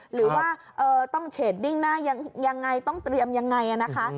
หรือว่าต้องเชดดิ้งหน้ายังไงต้องเตรียมยังไงนะคะ